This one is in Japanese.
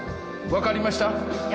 分かりました。